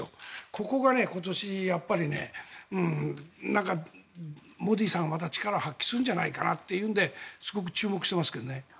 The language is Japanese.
ここが今年、やっぱりモディさんはまた力を発揮するんじゃないかなというのですごく注目してますけどね。